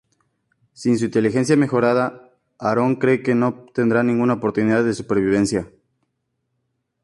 Sin su inteligencia mejorada, Aaron cree que no tendrán ninguna oportunidad de supervivencia.